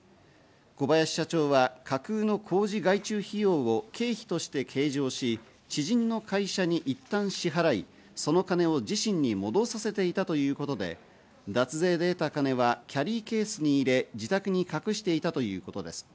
小林社長は架空の工事外注費用を経費として計上し、知人の会社にいったん支払い、その金を自身に戻させていたということで、脱税で得た金はキャリーケースに入れ自宅に隠していたということです。